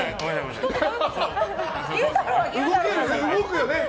動くよね。